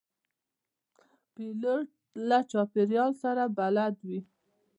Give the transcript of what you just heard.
پیلوټ له چاپېریال سره بلد وي.